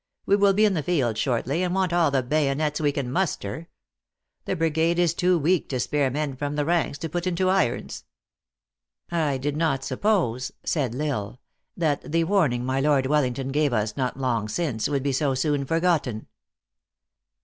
We will be in the field shortly, and want all the bayonets we can muster. The brigade is too weak to spare men from the ranks to put into irons." " I did not suppose," said L Isle, " that the warning THE ACTRESS IN HIGH LIFE. 331 my Lord Wellington gave, us not long since, would be so soon forgotten.